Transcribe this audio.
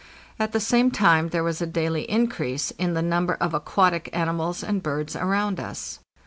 At the same time there was a daily increase in the number of aquatic animals and birds around us.